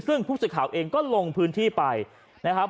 ซึ่งผู้สื่อข่าวเองก็ลงพื้นที่ไปนะครับ